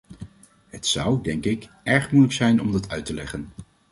Het zou, denk ik, erg moeilijk zijn om dat uit te leggen.